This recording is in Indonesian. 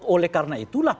oleh karena itulah